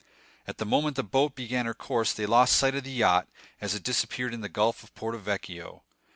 At the moment the boat began her course they lost sight of the yacht, as it disappeared in the gulf of Porto Vecchio.